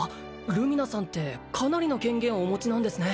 ルミナさんってかなりの権限をお持ちなんですね